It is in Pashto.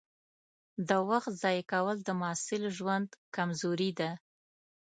د وخت ضایع کول د محصل ژوند کمزوري ده.